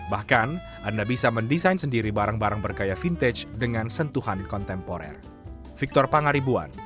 bahkan anda bisa mendesain sendiri barang barang bergaya vintage dengan sentuhan kontemporer